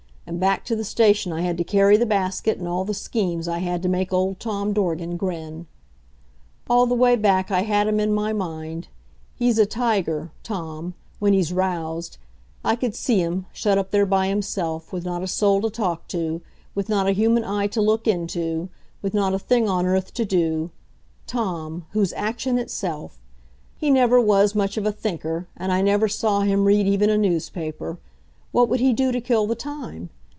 And back to the station I had to carry the basket, and all the schemes I had to make old Tom Dorgan grin. All the way back I had him in my mind. He's a tiger Tom when he's roused. I could see him, shut up there by himself, with not a soul to talk to, with not a human eye to look into, with not a thing on earth to do Tom, who's action itself! He never was much of a thinker, and I never saw him read even a newspaper. What would he do to kill the time?